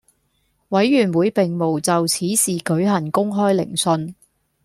委員會並無就此事舉行公開聆訊